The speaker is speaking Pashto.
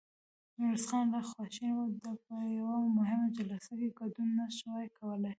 ميرويس خان خواشينی و، ده په يوه مهمه جلسه کې ګډون نه شوای کولای.